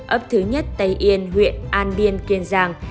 ấp thứ nhất tây yên huyện an biên kiên giang